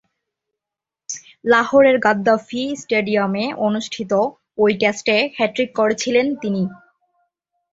লাহোরের গাদ্দাফি স্টেডিয়ামে অনুষ্ঠিত ঐ টেস্টে হ্যাট্রিক করেছিলেন তিনি।